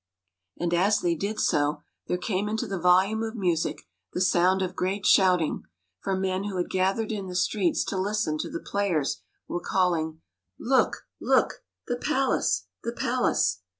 And as they did so, there came into the volume of music the sound of great shouting, for men who had gathered in the streets to listen to the players were calling —" Look, look! The palace! the palace!